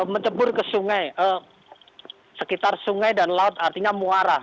mencebur ke sungai sekitar sungai dan laut artinya muara